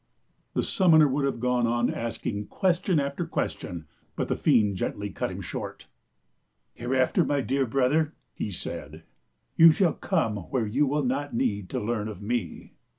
The summoner would have gone on asking ques tion after question, but the fiend gently cut him short. Hereafter, my dear brother," he said, " you shall come where you will not need to learn of me.